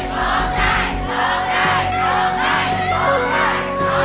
ร้องได้ร้องได้ร้องได้